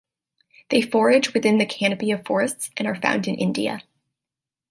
They forage within the canopy of forests and are found in India.